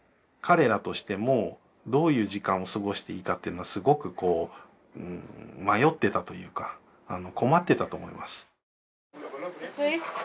彼らとしてもどういう時間を過ごしていいかっていうのはすごくこう迷ってたというか困ってたと思います。